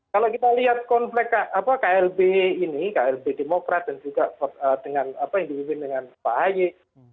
kalau kita lihat konflik klb ini klb demokrat dan juga yang diwilin dengan pak haye